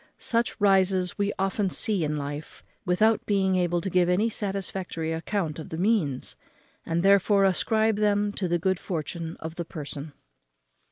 Such rises we often see in life, without being able to give any satisfactory account of the means, and therefore ascribe them to the good fortune of the person.